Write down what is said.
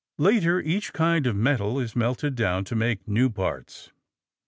Later, each kind of metal is melted down to make new parts.